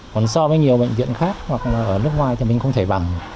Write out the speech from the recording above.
còn so với nhiều bệnh viện khác hoặc ở nước ngoài thì mình không thể bằng